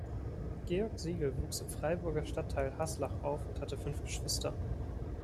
Georg Siegel wuchs im Freiburger Stadtteil Haslach auf und hatte fünf Geschwister.